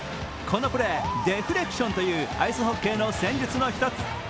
このプレー、ディフレクションというアイスホッケーの先日の一つ。